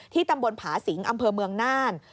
ตำบลผาสิงอำเภอเมืองน่าน